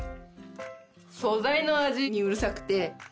素材の味にうるさくて。